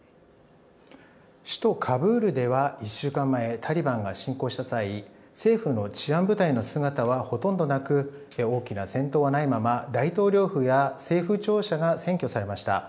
首都カブールでは１週間前タリバンが進攻した際政府の治安部隊の姿はほとんどなく大きな戦闘がないまま大統領府や政府庁舎が占拠されました。